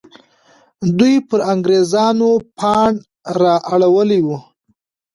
دوی پر انګریزانو پاڼ را اړولی دی.